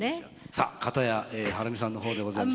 さあ片やはるみさんの方でございます。